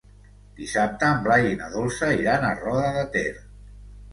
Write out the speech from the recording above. Dissabte en Blai i na Dolça iran a Roda de Ter.